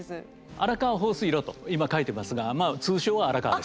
荒川放水路と今書いてますがまあ通称は荒川です。